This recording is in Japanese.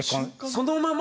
そのまま？